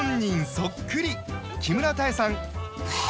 そっくり木村多江さん